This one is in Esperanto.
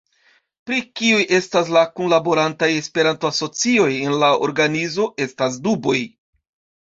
Pri kiuj estas la kunlaborantaj Esperanto-asocioj en la organizo estas duboj.